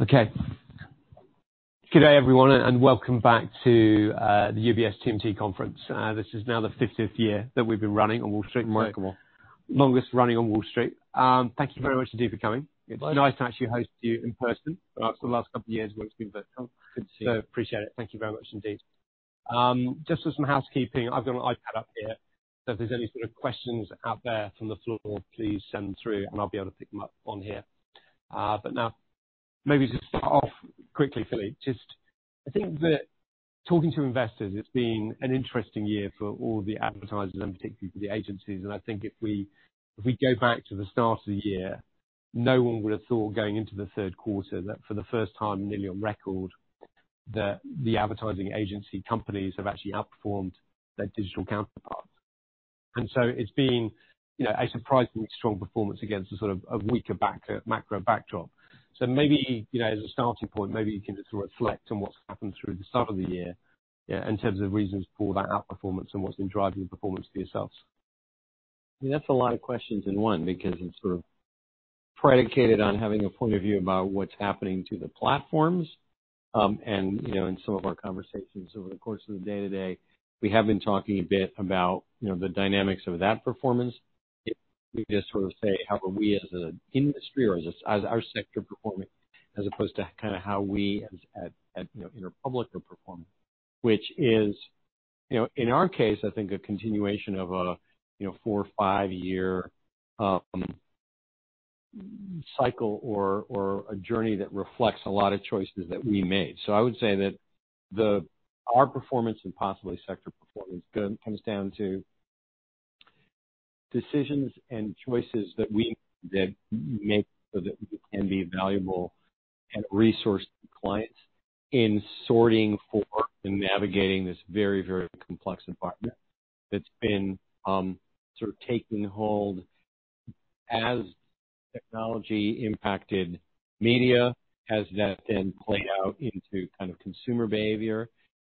Okay. Good day, everyone, and welcome back to the UBS TMT Conference. This is now the 50th year that we've been running on Wall Street. Unbreakable. Longest running on Wall Street. Thank you very much indeed for coming. It's nice to actually host you in person. It's the last couple of years where it's been virtual. Good to see you. Appreciate it. Thank you very much indeed. Just for some housekeeping, I've got an iPad up here. So if there's any sort of questions out there from the floor, please send through, and I'll be able to pick them up on here. But now, maybe to start off quickly, Philippe, just I think that talking to investors, it's been an interesting year for all the advertisers, and particularly for the agencies. And I think if we go back to the start of the year, no one would have thought going into the third quarter that for the first time nearly on record, the advertising agency companies have actually outperformed their digital counterparts. And so it's been a surprisingly strong performance against a sort of weaker macro backdrop. So maybe as a starting point, maybe you can just reflect on what's happened through the start of the year in terms of reasons for that outperformance and what's been driving the performance for yourselves? I mean, that's a lot of questions in one because it's sort of predicated on having a point of view about what's happening to the platforms. And in some of our conversations over the course of the day today, we have been talking a bit about the dynamics of that performance. We just sort of say, how are we as an industry or as our sector performing as opposed to kind of how we as Interpublic are performing, which is, in our case, I think a continuation of a four or five-year cycle or a journey that reflects a lot of choices that we made. So I would say that our performance and possibly sector performance comes down to decisions and choices that we make so that we can be valuable and resource clients in sorting for and navigating this very, very complex environment that's been sort of taking hold as technology impacted media, as that then played out into kind of consumer behavior,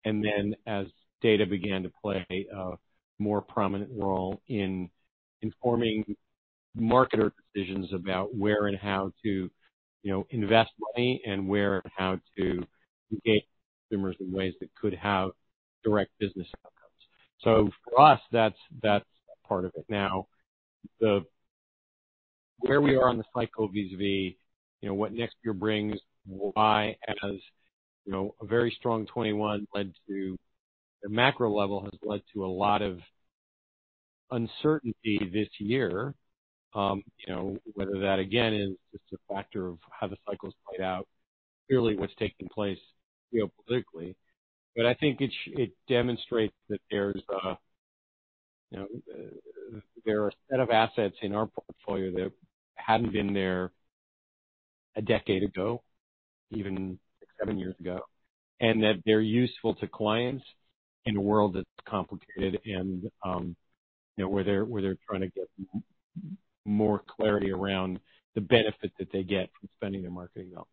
and then as data began to play a more prominent role in informing marketer decisions about where and how to invest money and where and how to engage consumers in ways that could have direct business outcomes. So for us, that's part of it. Now, where we are on the cycle vis-à-vis what next year brings, why a very strong 2021 at the macro level has led to a lot of uncertainty this year, whether that again is just a factor of how the cycle has played out, clearly what's taking place geopolitically, but I think it demonstrates that there are a set of assets in our portfolio that hadn't been there a decade ago, even seven years ago, and that they're useful to clients in a world that's complicated and where they're trying to get more clarity around the benefit that they get from spending their marketing dollars.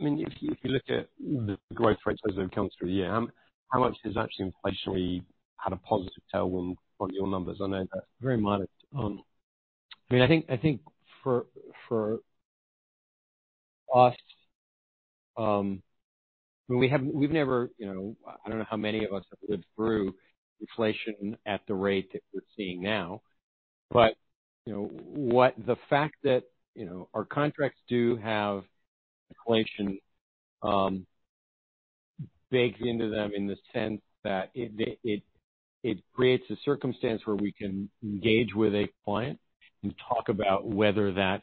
I mean, if you look at the growth rate as we've come through the year, how much has actually inflationary had a positive tailwind on your numbers? I know that's very modest. I mean, I think for us, we've never. I don't know how many of us have lived through inflation at the rate that we're seeing now. But the fact that our contracts do have inflation baked into them in the sense that it creates a circumstance where we can engage with a client and talk about whether that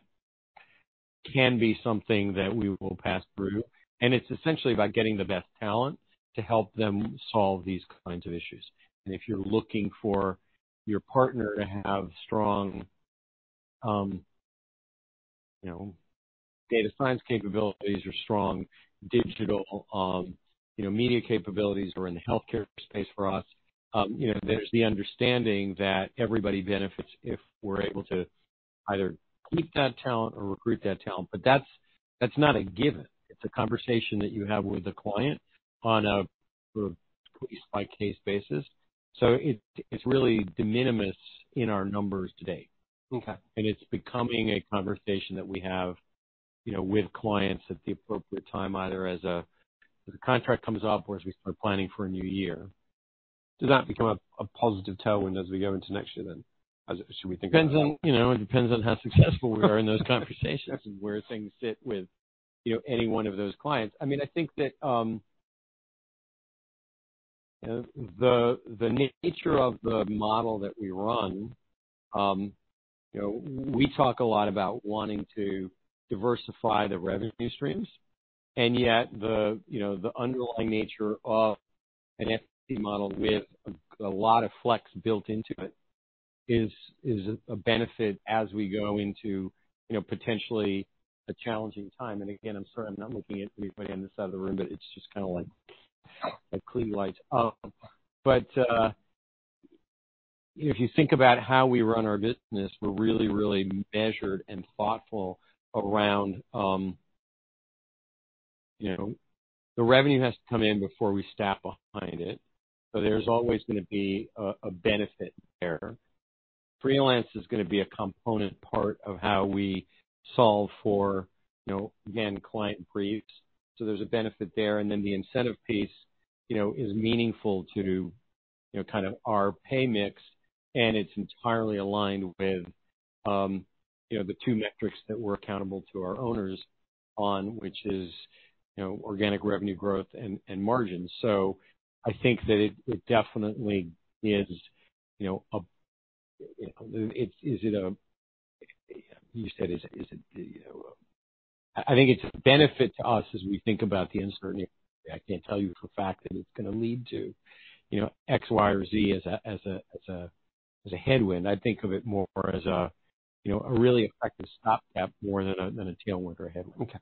can be something that we will pass through. And it's essentially about getting the best talent to help them solve these kinds of issues. And if you're looking for your partner to have strong data science capabilities or strong digital media capabilities or in the healthcare space for us, there's the understanding that everybody benefits if we're able to either keep that talent or recruit that talent. But that's not a given. It's a conversation that you have with a client on a sort of case-by-case basis. It's really de minimis in our numbers today. It's becoming a conversation that we have with clients at the appropriate time, either as a contract comes up or as we start planning for a new year. Does that become a positive tailwind when as we go into next year then? Should we think about that? It depends. It depends on how successful we are in those conversations and where things sit with any one of those clients. I mean, I think that the nature of the model that we run. We talk a lot about wanting to diversify the revenue streams, and yet the underlying nature of an equity model with a lot of flex built into it is a benefit as we go into potentially a challenging time, and again, I'm sorry. I'm not looking at anybody on this side of the room, but it's just kind of like the climate, but if you think about how we run our business, we're really, really measured and thoughtful around the revenue has to come in before we staff behind it, so there's always going to be a benefit there. Freelance is going to be a component part of how we solve for, again, client briefs, so there's a benefit there, and then the incentive piece is meaningful to kind of our pay mix, and it's entirely aligned with the two metrics that we're accountable to our owners on, which is organic revenue growth and margin, so I think that it definitely is a benefit to us as we think about the uncertainty. I can't tell you for a fact that it's going to lead to X, Y, or Z as a headwind. I think of it more as a really effective stopgap more than a tailwind or headwind. Okay.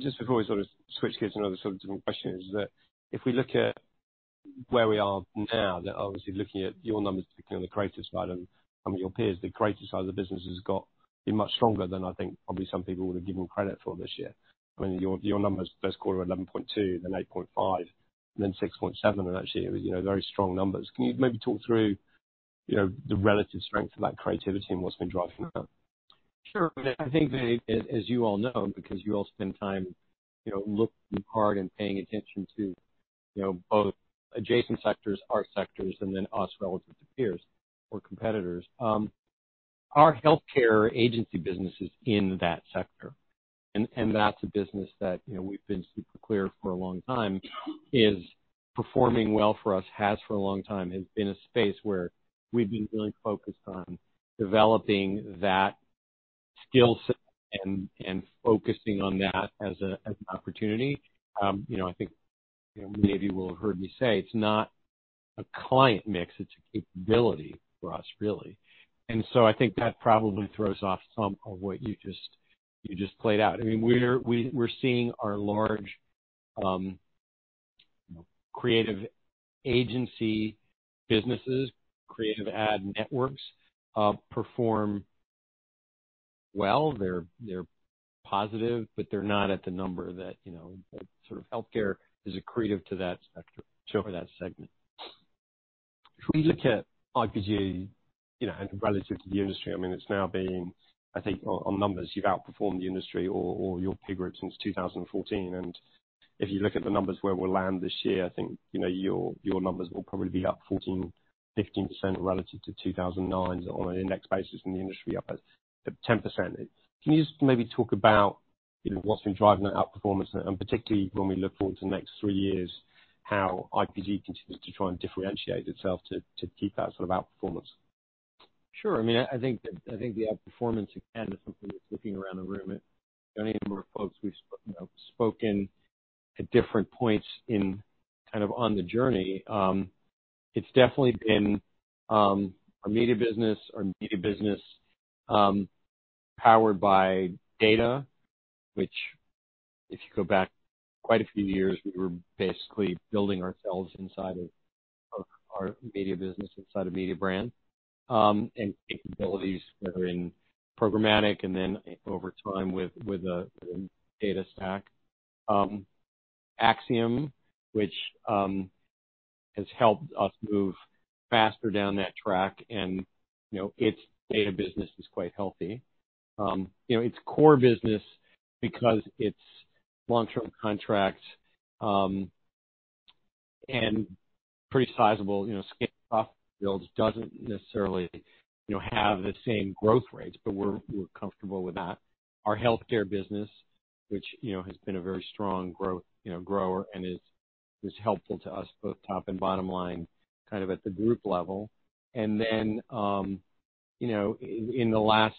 Just before we sort of switch gears to another sort of different question, is that if we look at where we are now, that obviously looking at your numbers, particularly on the creative side and some of your peers, the creative side of the business has got been much stronger than I think probably some people would have given credit for this year. I mean, your numbers first quarter were 11.2, then 8.5, then 6.7, and actually it was very strong numbers. Can you maybe talk through the relative strength of that creativity and what's been driving that? Sure. I think that as you all know, because you all spend time looking hard and paying attention to both adjacent sectors, our sectors, and then us relative to peers or competitors, our healthcare agency business is in that sector. And that's a business that we've been super clear for a long time is performing well for us, has for a long time, has been a space where we've been really focused on developing that skill set and focusing on that as an opportunity. I think many of you will have heard me say it's not a client mix. It's a capability for us, really. And so I think that probably throws off some of what you just played out. I mean, we're seeing our large creative agency businesses, creative ad networks perform well. They're positive, but they're not at the number that sort of healthcare is accretive to that sector or that segment. If we look at IPG relative to the industry, I mean, it's now being, I think, on numbers, you've outperformed the industry or your peer group since 2014. And if you look at the numbers where we'll land this year, I think your numbers will probably be up 14%-15% relative to 2009 on an index basis in the industry up at 10%. Can you just maybe talk about what's been driving that outperformance? And particularly when we look forward to the next three years, how IPG continues to try and differentiate itself to keep that sort of outperformance? Sure. I mean, I think the outperformance again is something that's looking around the room. The only number of folks we've spoken at different points in kind of on the journey, it's definitely been our media business. Our media business is powered by data, which if you go back quite a few years, we were basically building ourselves inside of our media business, inside of Mediabrands and capabilities that are in programmatic and then over time with a data stack. Acxiom, which has helped us move faster down that track, and its data business is quite healthy. Its core business, because it's long-term contracts and pretty sizable scale-up builds, doesn't necessarily have the same growth rates, but we're comfortable with that. Our healthcare business, which has been a very strong grower and is helpful to us, both top and bottom line, kind of at the group level. Then in the last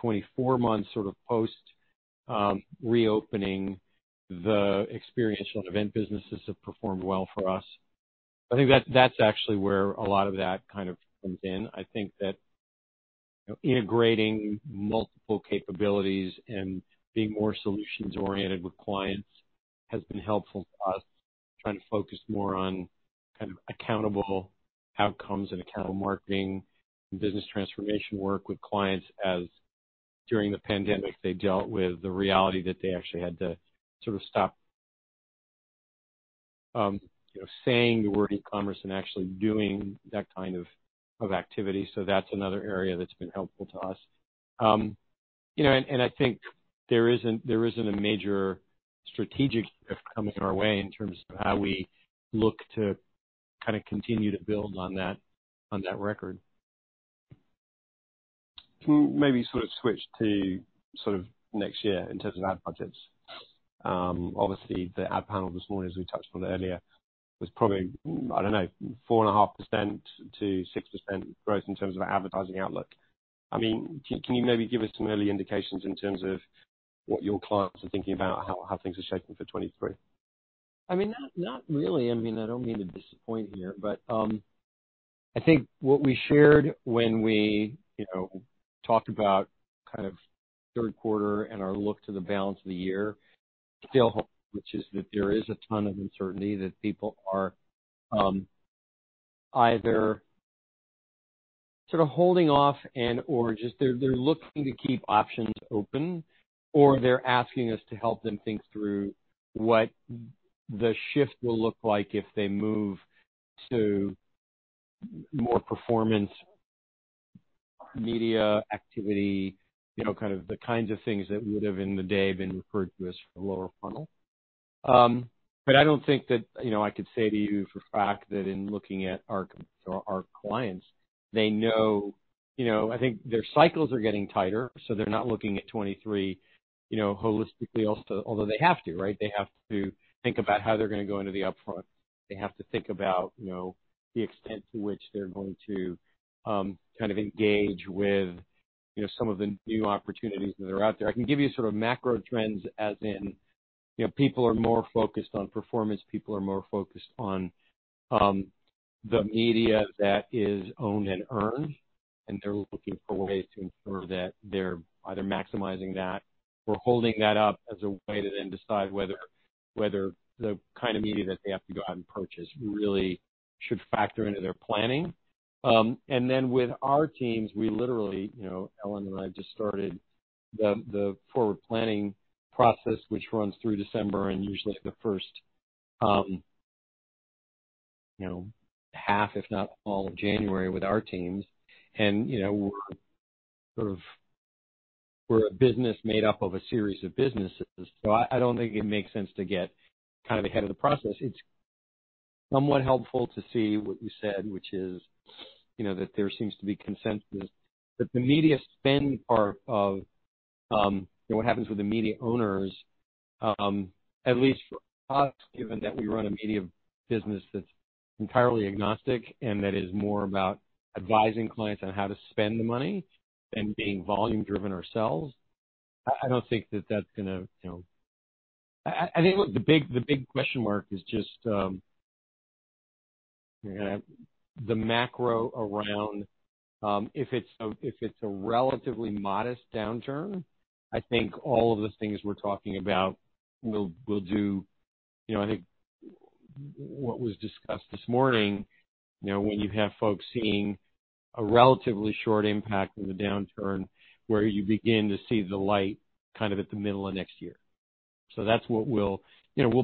24 months, sort of post-reopening, the experiential and event businesses have performed well for us. I think that's actually where a lot of that kind of comes in. I think that integrating multiple capabilities and being more solutions-oriented with clients has been helpful for us, trying to focus more on kind of accountable outcomes and accountable marketing and business transformation work with clients as during the pandemic, they dealt with the reality that they actually had to sort of stop saying the word e-commerce and actually doing that kind of activity. That's another area that's been helpful to us. I think there isn't a major strategic shift coming our way in terms of how we look to kind of continue to build on that record. Can we maybe sort of switch to sort of next year in terms of ad budgets? Obviously, the ad panel this morning, as we touched on earlier, was probably, I don't know, 4.5%-6% growth in terms of advertising outlook. I mean, can you maybe give us some early indications in terms of what your clients are thinking about, how things are shaping for 2023? I mean, not really. I mean, I don't mean to disappoint here, but I think what we shared when we talked about kind of third quarter and our look to the balance of the year, still, which is that there is a ton of uncertainty that people are either sort of holding off and/or just they're looking to keep options open, or they're asking us to help them think through what the shift will look like if they move to more performance, media activity, kind of the kinds of things that would have in the day been referred to as lower funnel. But I don't think that I could say to you for a fact that in looking at our clients, they know I think their cycles are getting tighter, so they're not looking at 2023 holistically, although they have to, right? They have to think about how they're going to go into the upfront. They have to think about the extent to which they're going to kind of engage with some of the new opportunities that are out there. I can give you sort of macro trends as in people are more focused on performance. People are more focused on the media that is owned and earned, and they're looking for ways to ensure that they're either maximizing that or holding that up as a way to then decide whether the kind of media that they have to go out and purchase really should factor into their planning, and then with our teams, we literally, Ellen and I just started the forward planning process, which runs through December and usually the first half, if not all of January, with our teams, and we're a business made up of a series of businesses. So I don't think it makes sense to get kind of ahead of the process. It's somewhat helpful to see what you said, which is that there seems to be consensus that the media spend part of what happens with the media owners, at least for us, given that we run a media business that's entirely agnostic and that is more about advising clients on how to spend the money than being volume-driven ourselves. I don't think that that's going to, I think the big question mark is just the macro around if it's a relatively modest downturn, I think all of the things we're talking about will do. I think what was discussed this morning, when you have folks seeing a relatively short impact of the downturn, where you begin to see the light kind of at the middle of next year. So that's what we'll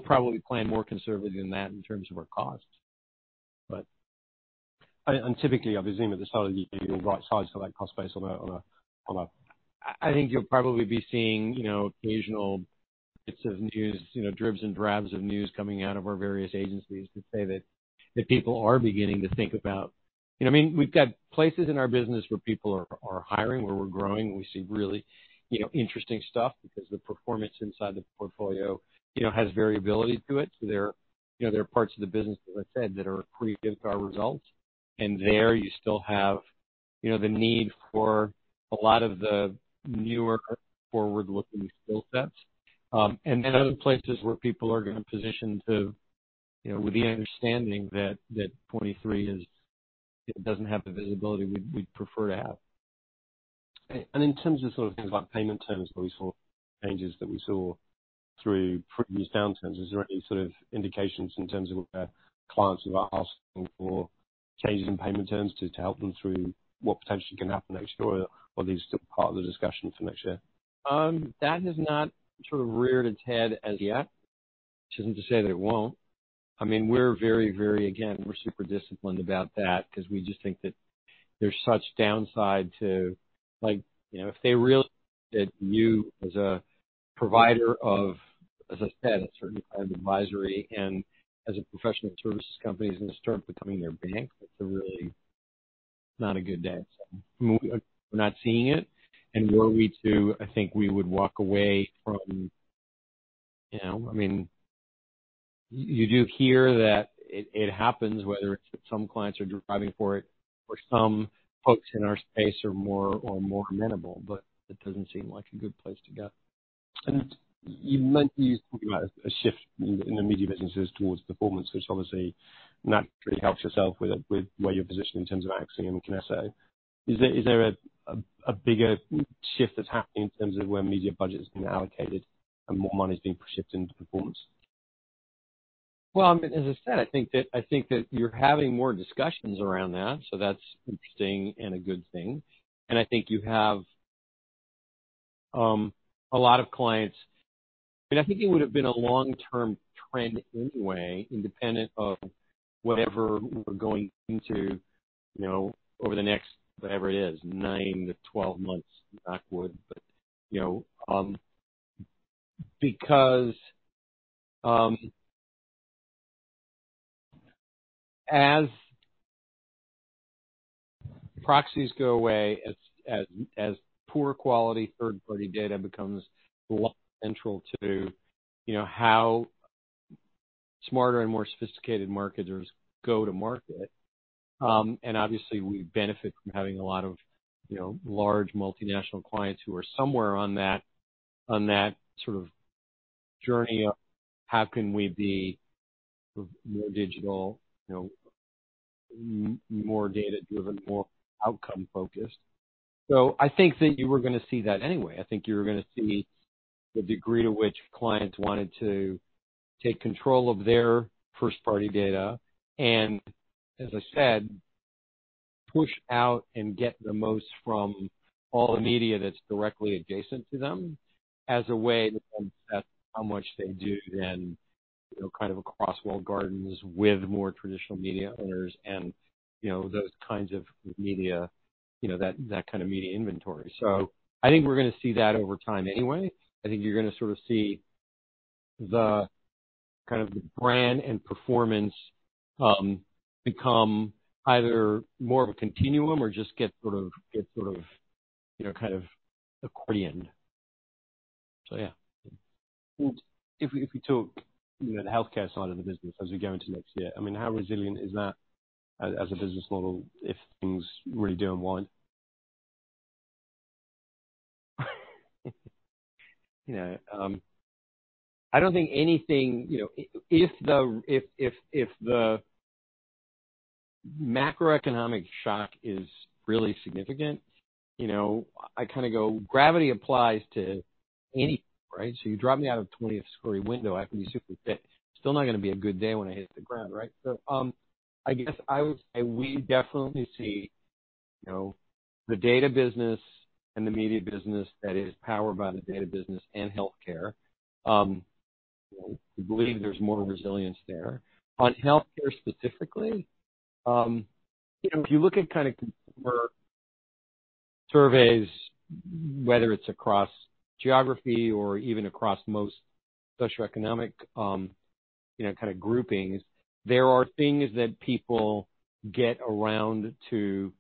probably plan more conservatively than that in terms of our costs. But typically, obviously, at the start of the year, you'll probably start to see that cost price on a- I think you'll probably be seeing occasional bits of news, dribs and drabs of news coming out of our various agencies to say that people are beginning to think about, I mean, we've got places in our business where people are hiring, where we're growing, and we see really interesting stuff because the performance inside the portfolio has variability to it. So there are parts of the business, as I said, that are accretive to our results. And there you still have the need for a lot of the newer forward-looking skill sets. And then other places where people are going to position to with the understanding that 2023 doesn't have the visibility we'd prefer to have. In terms of sort of things like payment terms, changes that we saw through previous downturns, is there any sort of indications in terms of clients who are asking for changes in payment terms to help them through what potentially can happen next year, or are these still part of the discussion for next year? That has not sort of reared its head as yet, which isn't to say that it won't. I mean, we're very, very, again, we're super disciplined about that because we just think that there's such downside to, if they really think that you as a provider of, as I said, a certain kind of advisory and as a professional services company is going to start becoming their bank, it's really not a good day, so we're not seeing it, and were we to, I think we would walk away from, I mean, you do hear that it happens, whether it's that some clients are driving for it or some folks in our space are more amenable, but it doesn't seem like a good place to go. You mentioned you talked about a shift in the media businesses towards performance, which obviously naturally helps yourself with where you're positioned in terms of Acxiom and Kinesso. Is there a bigger shift that's happening in terms of where media budget has been allocated and more money is being shifted into performance? I mean, as I said, I think that you're having more discussions around that. That's interesting and a good thing, and I think you have a lot of clients. I mean, I think it would have been a long-term trend anyway, independent of whatever we're going into over the next, whatever it is, 9-12 months forward. Because as proxies go away, as poor quality third-party data becomes less central to how smarter and more sophisticated marketers go to market, obviously we benefit from having a lot of large multinational clients who are somewhere on that sort of journey of how can we be more digital, more data-driven, more outcome-focused. I think that you were going to see that anyway. I think you were going to see the degree to which clients wanted to take control of their first-party data and, as I said, push out and get the most from all the media that's directly adjacent to them as a way to then assess how much they do then kind of across walled gardens with more traditional media owners and those kinds of media, that kind of media inventory. So I think we're going to see that over time anyway. I think you're going to sort of see the kind of brand and performance become either more of a continuum or just get sort of kind of accordioned. So yeah. If we took the healthcare side of the business as we go into next year, I mean, how resilient is that as a business model if things really do unwind? I don't think anything if the macroeconomic shock is really significant. I kind of go gravity applies to anything, right? So you drop me out of a 20th-story window. I can be super fit. It's still not going to be a good day when I hit the ground, right? So I guess I would say we definitely see the data business and the media business that is powered by the data business and healthcare. I believe there's more resilience there. On healthcare specifically, if you look at kind of consumer surveys, whether it's across geography or even across most socioeconomic kind of groupings, there are things that people get around to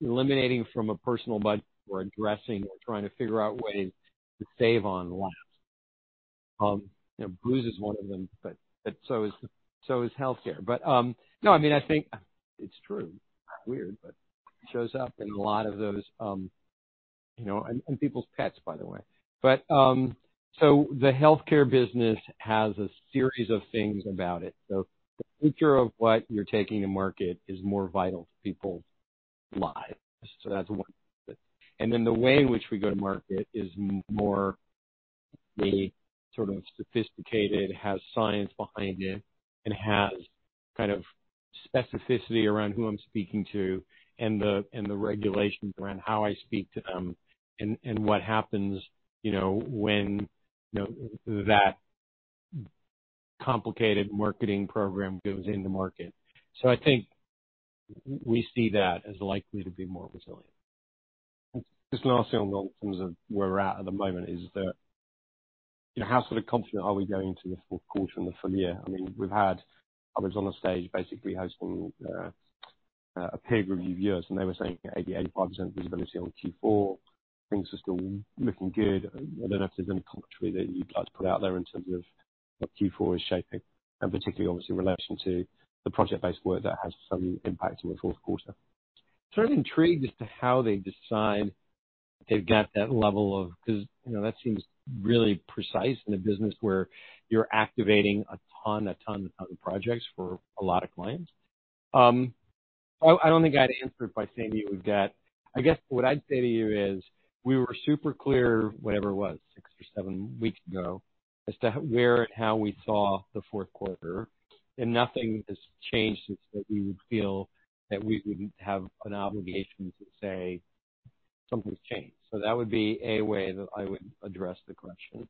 eliminating from a personal budget or addressing or trying to figure out ways to save on less. Booze is one of them, but so is healthcare. But no, I mean, I think it's true. It's weird, but it shows up in a lot of those, and people's pets, by the way. But so the healthcare business has a series of things about it. So the nature of what you're taking to market is more vital to people's lives. So that's one thing. And then the way in which we go to market is more sort of sophisticated, has science behind it, and has kind of specificity around who I'm speaking to and the regulations around how I speak to them and what happens when that complicated marketing program goes into market. So I think we see that as likely to be more resilient. This can also involve in terms of where we're at the moment, is how sort of confident are we going into the fourth quarter and the full year? I mean, we've had others on the stage basically hosting a peer review of years, and they were saying 80%-85% visibility on Q4. Things are still looking good. I don't know if there's any commentary that you'd like to put out there in terms of what Q4 is shaping, and particularly, obviously, in relation to the project-based work that has some impact in the fourth quarter. Sort of intrigued as to how they decide they've got that level of, because that seems really precise in a business where you're activating a ton, a ton, a ton of projects for a lot of clients. I don't think I'd answer it by saying that you would get, I guess what I'd say to you is we were super clear, whatever it was, six or seven weeks ago, as to where and how we saw the fourth quarter, and nothing has changed since that we would feel that we wouldn't have an obligation to say something's changed, so that would be a way that I would address the question.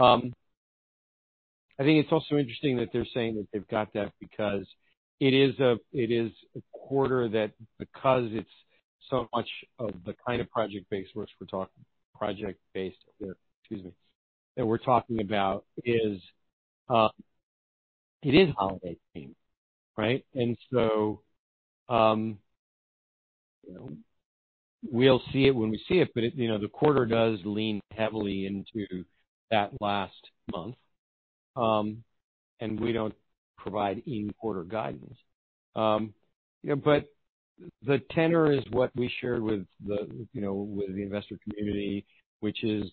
I think it's also interesting that they're saying that they've got that because it is a quarter that, because it's so much of the kind of project-based work we're talking, project-based, excuse me, that we're talking about is. It is holiday themed, right? And so we'll see it when we see it, but the quarter does lean heavily into that last month, and we don't provide in-quarter guidance. But the tenor is what we shared with the investor community, which is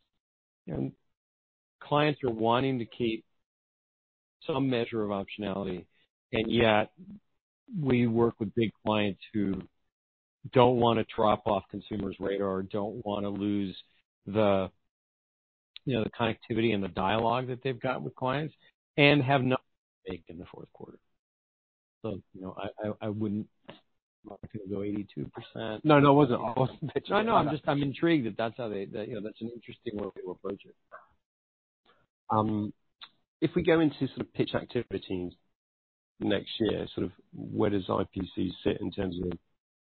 clients are wanting to keep some measure of optionality, and yet we work with big clients who don't want to drop off consumers' radar, don't want to lose the connectivity and the dialogue that they've got with clients, and have nothing to make in the fourth quarter. So I wouldn't. I'm not going to go 82%. No, that wasn't, I wasn't pitching that. No, no. I'm just intrigued that that's how they. That's an interesting way to approach it. If we go into some pitch activities next year, sort of where does IPG sit in terms of,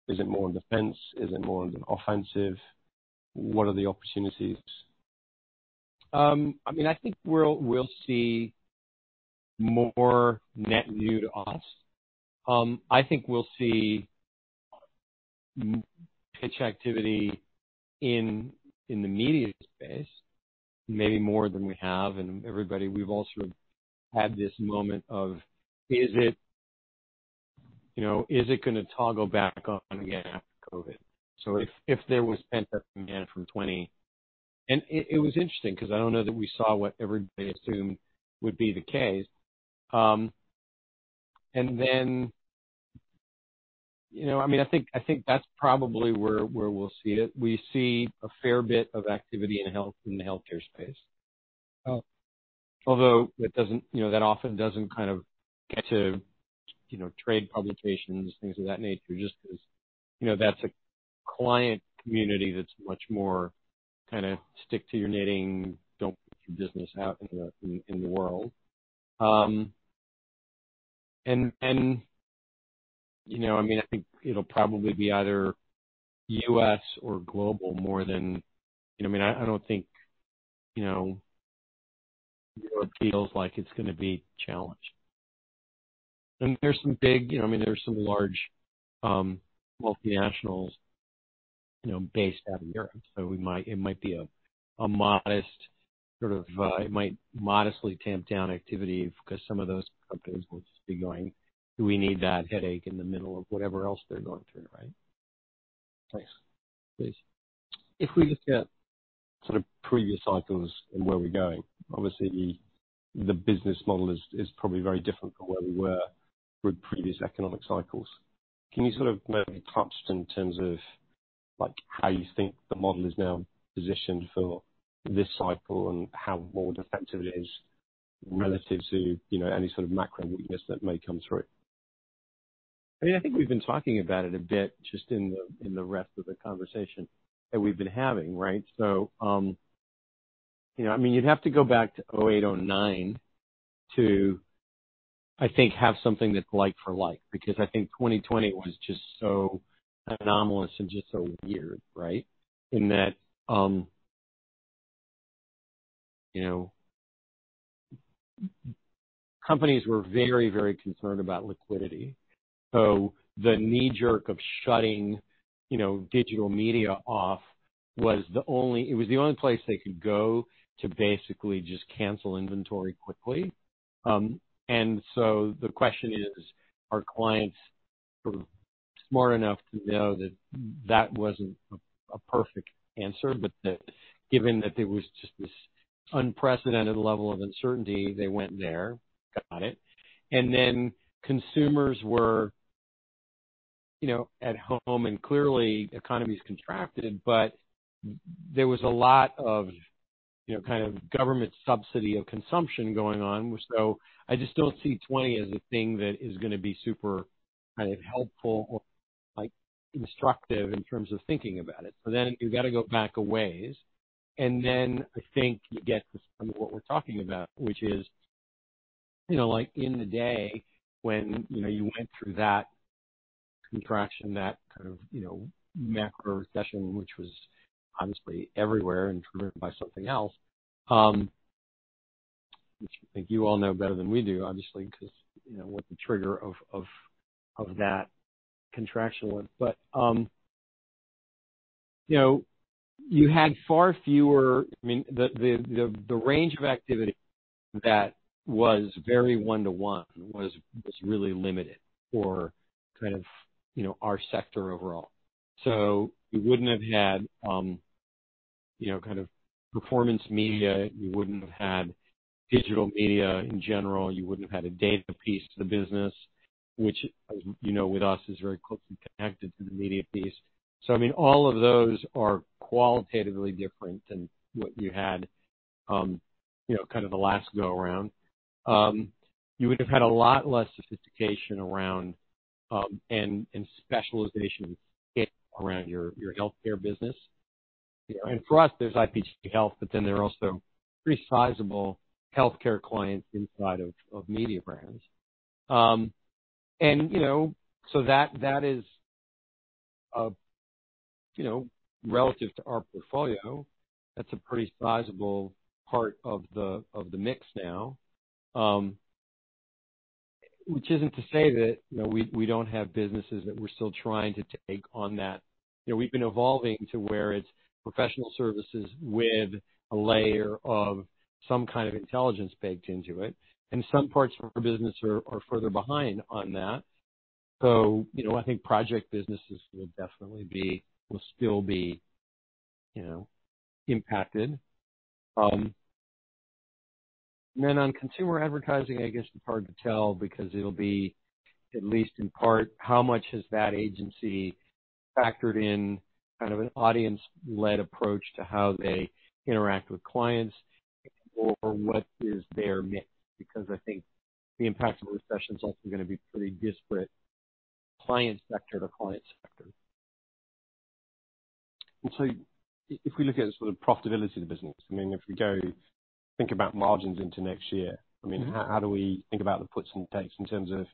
is it more on defense? Is it more on the offensive? What are the opportunities? I mean, I think we'll see more net new to us. I think we'll see pitch activity in the media space, maybe more than we have. And everybody, we've also had this moment of, is it going to toggle back on again after COVID? So if there was pent-up demand from 2020, and it was interesting because I don't know that we saw what everybody assumed would be the case. And then, I mean, I think that's probably where we'll see it. We see a fair bit of activity in the healthcare space, although that often doesn't kind of get to trade publications, things of that nature, just because that's a client community that's much more kind of stick-to-your-knitting, don't put your business out in the world. And then, I mean, I think it'll probably be either U.S. or global more than. I mean, I don't think Europe feels like it's going to be challenged. And there's some large multinationals based out of Europe, so it might modestly tamp down activity because some of those companies will just be going, "Do we need that headache in the middle of whatever else they're going through?" Right? Nice. [Please.] If we look at sort of previous cycles and where we're going, obviously, the business model is probably very different from where we were with previous economic cycles. Can you sort of maybe touch in terms of how you think the model is now positioned for this cycle and how more defensive it is relative to any sort of macro weakness that may come through? I mean, I think we've been talking about it a bit just in the rest of the conversation that we've been having, right? So I mean, you'd have to go back to 2008, 2009 to, I think, have something that's like for like because I think 2020 was just so anomalous and just so weird, right, in that companies were very, very concerned about liquidity. So the knee-jerk of shutting digital media off was the only, it was the only place they could go to basically just cancel inventory quickly. And so the question is, are clients sort of smart enough to know that that wasn't a perfect answer, but that given that there was just this unprecedented level of uncertainty, they went there, got it. And then consumers were at home, and clearly, the economy's contracted, but there was a lot of kind of government subsidy of consumption going on. I just don't see 2020 as a thing that is going to be super kind of helpful or instructive in terms of thinking about it. Then you've got to go back a ways. I think you get to some of what we're talking about, which is in the day when you went through that contraction, that kind of macro recession, which was obviously everywhere and driven by something else, which I think you all know better than we do, obviously, because what the trigger of that contraction was. You had far fewer, I mean, the range of activity that was very one-to-one was really limited for kind of our sector overall. You wouldn't have had kind of performance media. You wouldn't have had digital media in general. You wouldn't have had a data piece to the business, which with us is very closely connected to the media piece. So I mean, all of those are qualitatively different than what you had kind of the last go-around. You would have had a lot less sophistication around and specialization around your healthcare business. And for us, there's IPG Health, but then there are also pretty sizable healthcare clients inside of Mediabrands. And so that is relative to our portfolio. That's a pretty sizable part of the mix now, which isn't to say that we don't have businesses that we're still trying to take on that. We've been evolving to where it's professional services with a layer of some kind of intelligence baked into it. And some parts of our business are further behind on that. So I think project businesses will definitely still be impacted. On consumer advertising, I guess it's hard to tell because it'll be at least in part how much has that agency factored in kind of an audience-led approach to how they interact with clients or what is their mix? Because I think the impact of the recession is also going to be pretty disparate client sector to client sector. And so if we look at sort of profitability of the business, I mean, if we go think about margins into next year, I mean, how do we think about the puts and takes in terms of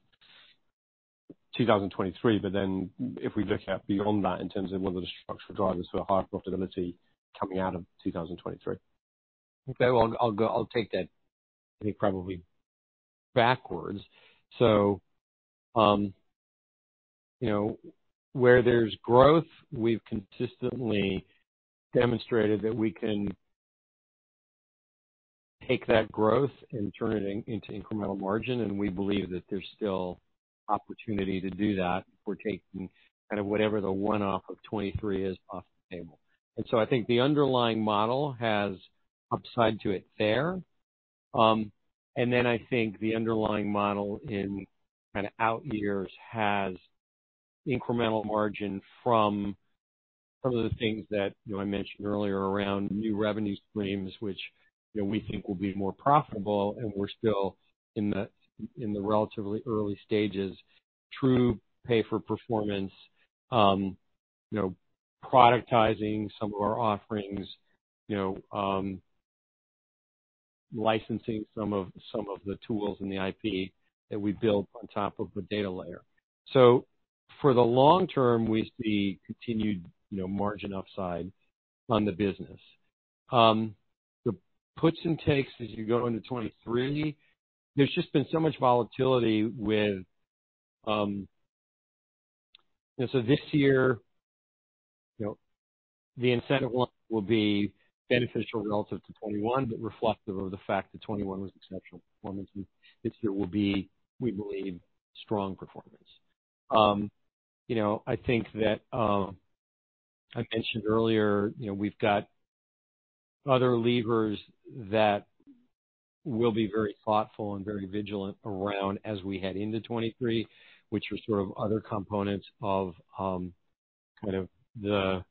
2023, but then if we look at beyond that in terms of what are the structural drivers for higher profitability coming out of 2023? Okay. Well, I'll take that. I think probably backwards. So where there's growth, we've consistently demonstrated that we can take that growth and turn it into incremental margin, and we believe that there's still opportunity to do that if we're taking kind of whatever the one-off of 2023 is off the table. And so I think the underlying model has upside to it there. And then I think the underlying model in kind of out years has incremental margin from some of the things that I mentioned earlier around new revenue streams, which we think will be more profitable, and we're still in the relatively early stages, true pay-for-performance, productizing some of our offerings, licensing some of the tools and the IP that we build on top of the data layer. So for the long term, we see continued margin upside on the business. The puts and takes as you go into 2023, there's just been so much volatility with, and so this year, the incentive will be beneficial relative to 2021, but reflective of the fact that 2021 was exceptional performance. This year will be, we believe, strong performance. I think that I mentioned earlier, we've got other levers that will be very thoughtful and very vigilant around as we head into 2023, which are sort of other components of kind of the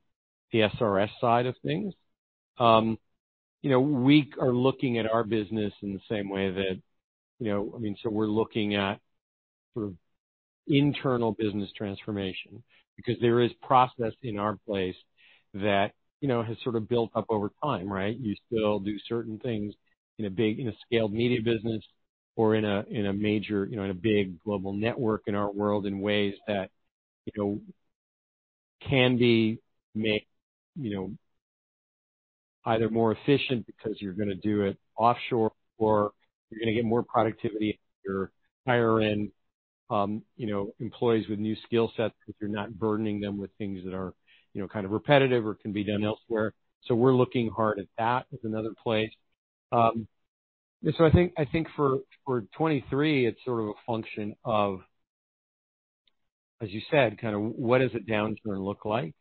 PSRS side of things. We are looking at our business in the same way that, I mean, so we're looking at sort of internal business transformation because there is process in our place that has sort of built up over time, right? You still do certain things in a scaled media business or in a major, in a big global network in our world in ways that can be made either more efficient because you're going to do it offshore, or you're going to get more productivity in your higher-end employees with new skill sets because you're not burdening them with things that are kind of repetitive or can be done elsewhere, so we're looking hard at that as another place, and so I think for 2023, it's sort of a function of, as you said, kind of what does a downturn look like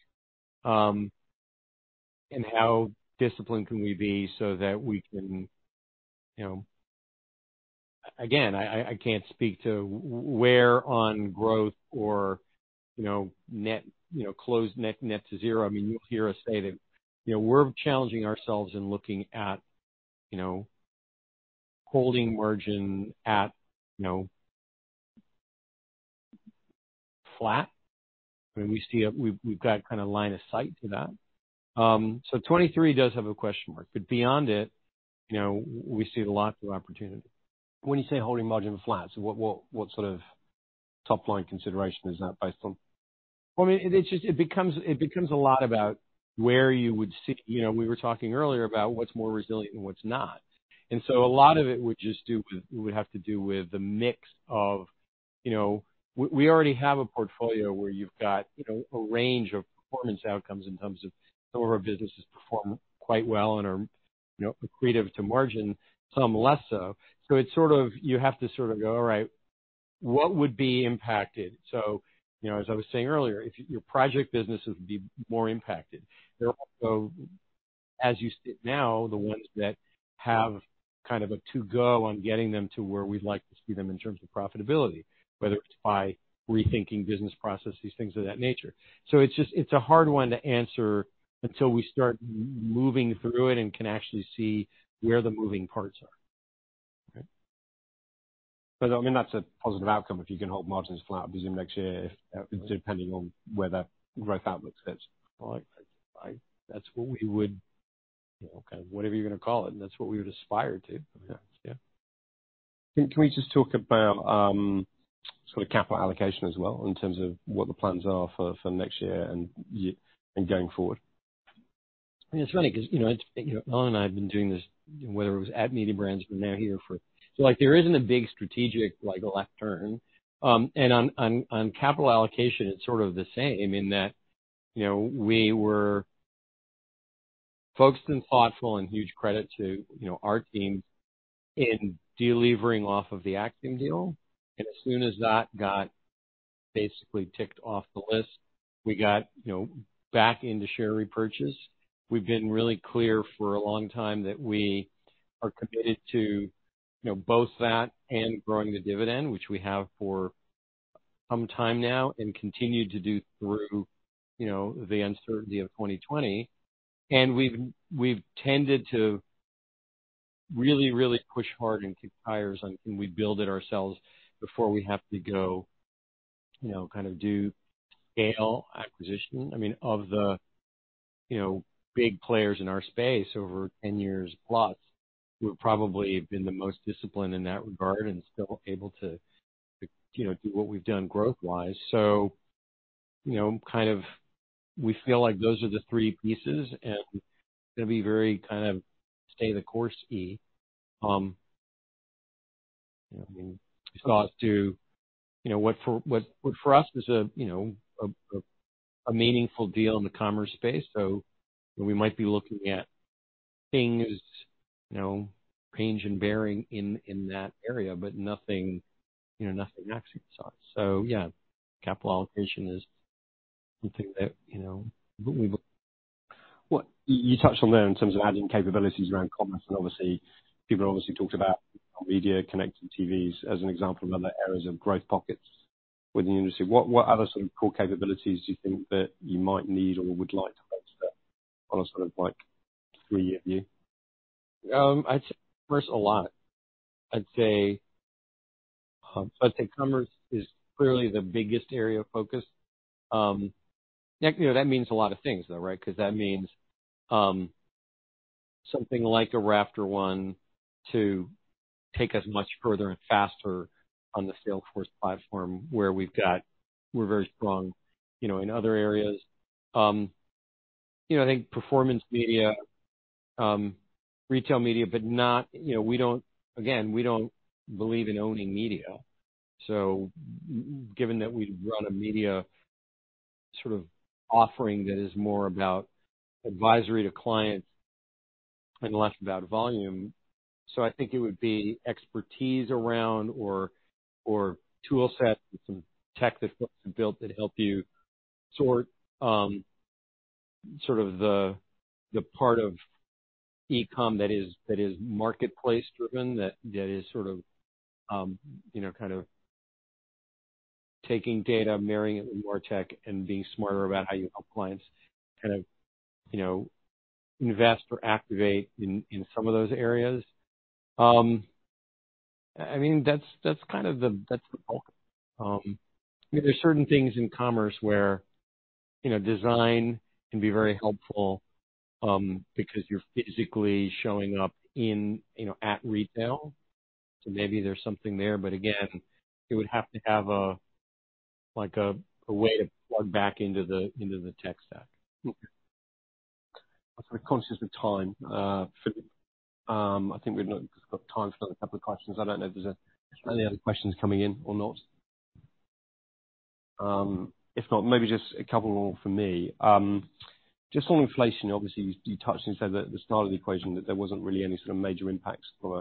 and how disciplined can we be so that we can, again, I can't speak to where on growth or net-close net to zero. I mean, you'll hear us say that we're challenging ourselves and looking at holding margin at flat. I mean, we see a—we've got kind of line of sight to that. So 2023 does have a question mark, but beyond it, we see a lot of opportunity. When you say holding margin flat, so what sort of top-line consideration is that based on? I mean, it becomes a lot about where you would see. We were talking earlier about what's more resilient and what's not. And so a lot of it would just do with. It would have to do with the mix of. We already have a portfolio where you've got a range of performance outcomes in terms of some of our businesses perform quite well and are accretive to margin, some less so. So it's sort of you have to sort of go, "All right, what would be impacted?" So as I was saying earlier, your project businesses would be more impacted. They're also, as you see it now, the ones that have kind of a ways to go on getting them to where we'd like to see them in terms of profitability, whether it's by rethinking business processes, things of that nature. So it's a hard one to answer until we start moving through it and can actually see where the moving parts are. Okay. But I mean, that's a positive outcome if you can hold margins flat, presumably next year, depending on where that growth outlook sits. That's what we would, okay, whatever you're going to call it, and that's what we would aspire to. Yeah. Can we just talk about sort of capital allocation as well in terms of what the plans are for next year and going forward? I mean, it's funny because Ellen and I have been doing this, whether it was at Mediabrands or now here. So there isn't a big strategic left turn. And on capital allocation, it's sort of the same in that we were focused and thoughtful and huge credit to our team in delivering off of the Acxiom deal. And as soon as that got basically ticked off the list, we got back into share repurchase. We've been really clear for a long time that we are committed to both that and growing the dividend, which we have for some time now and continue to do through the uncertainty of 2020. We've tended to really, really push hard and kick tires on, "Can we build it ourselves before we have to go kind of do scale acquisition?" I mean, of the big players in our space over 10 years plus, we've probably been the most disciplined in that regard and still able to do what we've done growth-wise. So kind of we feel like those are the three pieces and going to be very kind of stay-the-course-y. I mean, we still have to, what for us is a meaningful deal in the commerce space. So we might be looking at things range and bearing in that area, but nothing Acxiom side. So yeah, capital allocation is something that we believe. You touched on that in terms of adding capabilities around commerce. And obviously, people have talked about connected TVs as an example of other areas of growth pockets within the industry. What other sort of core capabilities do you think that you might need or would like to have on a sort of three-year view? I'd say commerce a lot. I'd say commerce is clearly the biggest area of focus. That means a lot of things, though, right? Because that means something like a RafterOne to take us much further and faster on the Salesforce platform where we've got, we're very strong in other areas. I think performance media, retail media, but not, again, we don't believe in owning media. So given that we run a media sort of offering that is more about advisory to clients and less about volume, so I think it would be expertise around or toolsets and some tech that folks have built that help you sort of the part of e-com that is marketplace-driven, that is sort of kind of taking data, marrying it with more tech, and being smarter about how you help clients kind of invest or activate in some of those areas. I mean, that's kind of the, I mean, there's certain things in commerce where design can be very helpful because you're physically showing up at retail. So maybe there's something there. But again, it would have to have a way to plug back into the tech stack. Okay. So we're conscious of time. I think we've got time for another couple of questions. I don't know if there's any other questions coming in or not. If not, maybe just a couple more for me. Just on inflation, obviously, you touched and said at the start of the equation that there wasn't really any sort of major impacts from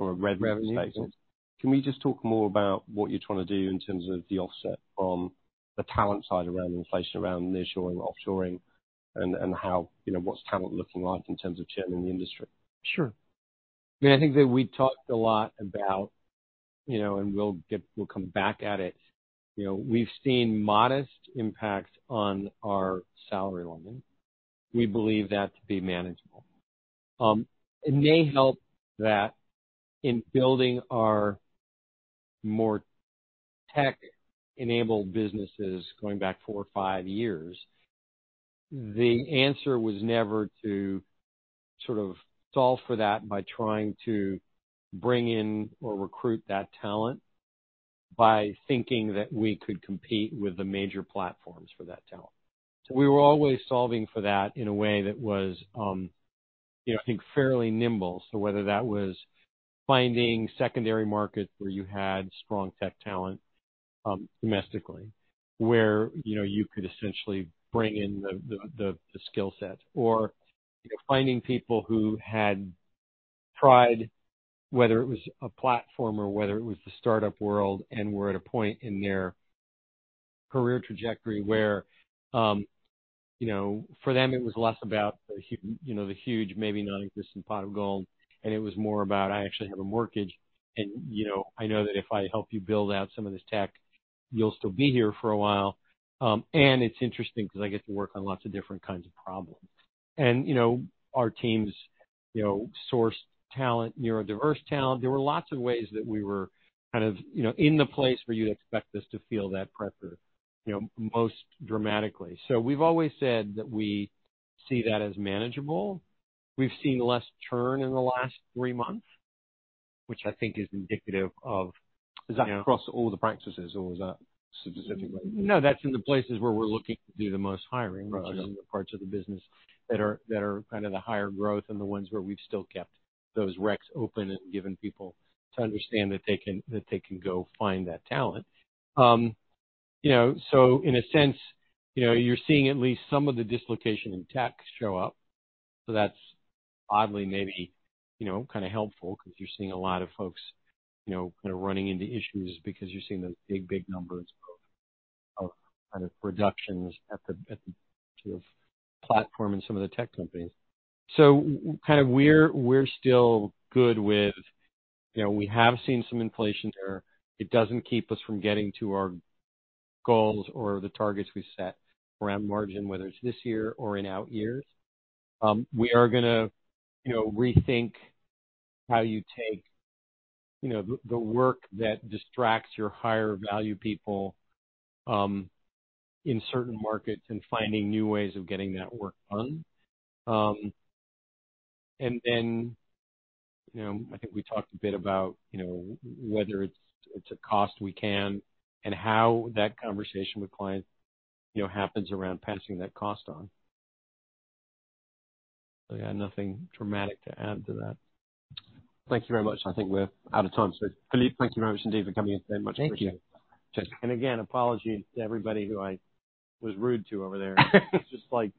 a revenue standpoint. Can we just talk more about what you're trying to do in terms of the offset from the talent side around inflation, around outsourcing, offshoring, and what's talent looking like in terms of churn in the industry? Sure. I mean, I think that we talked a lot about, and we'll come back at it. We've seen modest impacts on our salary line. We believe that to be manageable. It may help that in building our more tech-enabled businesses going back four or five years, the answer was never to sort of solve for that by trying to bring in or recruit that talent by thinking that we could compete with the major platforms for that talent. So we were always solving for that in a way that was, I think, fairly nimble. So whether that was finding secondary markets where you had strong tech talent domestically, where you could essentially bring in the skill set, or finding people who had tried, whether it was a platform or whether it was the startup world, and were at a point in their career trajectory where for them, it was less about the huge, maybe non-existent pot of gold, and it was more about, "I actually have a mortgage, and I know that if I help you build out some of this tech, you'll still be here for a while." And it's interesting because I get to work on lots of different kinds of problems. And our teams sourced talent, neurodiverse talent. There were lots of ways that we were kind of in the place where you'd expect us to feel that pressure most dramatically. So we've always said that we see that as manageable. We've seen less churn in the last three months, which I think is indicative of. Is that across all the practices, or is that specifically? No, that's in the places where we're looking to do the most hiring, which are in the parts of the business that are kind of the higher growth and the ones where we've still kept those recs open and given people to understand that they can go find that talent. So in a sense, you're seeing at least some of the dislocation in tech show up. So that's oddly maybe kind of helpful because you're seeing a lot of folks kind of running into issues because you're seeing those big, big numbers of kind of reductions at the platform and some of the tech companies. So kind of we're still good with we have seen some inflation there. It doesn't keep us from getting to our goals or the targets we set around margin, whether it's this year or in out years. We are going to rethink how you take the work that distracts your higher-value people in certain markets and finding new ways of getting that work done. And then I think we talked a bit about whether it's a cost we can and how that conversation with clients happens around passing that cost on. So yeah, nothing dramatic to add to that. Thank you very much. I think we're out of time. So Philippe, thank you very much indeed for coming in today. Much appreciated. Thank you. And again, apologies to everybody who I was rude to over there. It's just like.